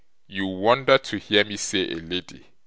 You wonder to hear me say A lady.